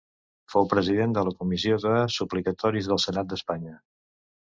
Fou president de la Comissió de Suplicatoris del Senat d'Espanya.